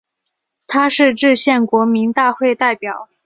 他是制宪国民大会代表。